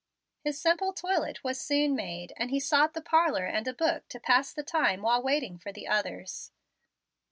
His simple toilet was soon made, and he sought the parlor and a book to pass the time while waiting for the Others.